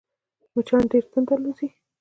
مچان ډېر تند الوزي